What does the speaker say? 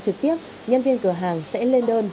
trực tiếp nhân viên cửa hàng sẽ lên đơn